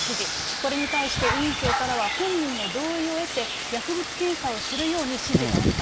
これに対して委員長からは、本人の同意を得て、薬物検査をするように指示があった。